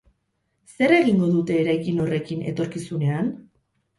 Zer egingo dute eraikin horrekin etorkizunean?